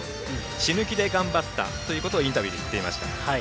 死ぬ気で頑張ったということをインタビューで言っていました。